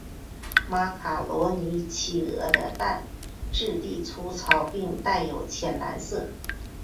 马卡罗尼企鹅的蛋质地粗糙并带有浅蓝色。